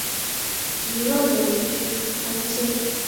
Kikigol ketig chu ak ichek